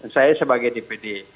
saya sebagai dpd